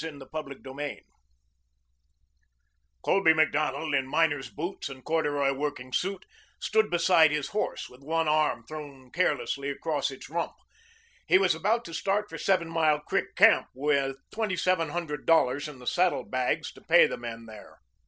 CHAPTER XVI AMBUSHED Colby Macdonald, in miner's boots and corduroy working suit, stood beside his horse with one arm thrown carelessly across its rump. He was about to start for Seven Mile Creek Camp with twenty seven hundred dollars in the saddlebags to pay the men there.